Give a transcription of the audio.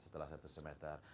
setelah satu semester